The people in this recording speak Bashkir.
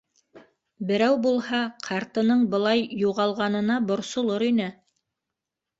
Берәү булһа, ҡартының былай юғалғанына борсолор ине.